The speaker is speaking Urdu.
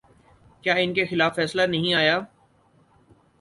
کیا ان کے خلاف فیصلہ نہیں آیا؟